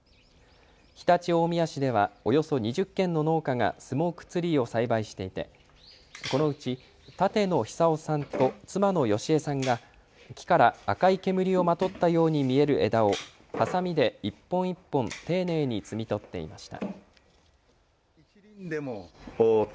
常陸大宮市ではおよそ２０軒の農家がスモークツリーを栽培していてこのうち舘野久夫さんと妻の良江さんが木から赤い煙をまとったように見える枝をはさみで一本一本丁寧に摘み取っていました。